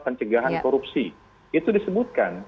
pencegahan korupsi itu disebutkan